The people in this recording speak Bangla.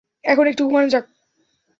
এখন একটু ঘুমানো যাক।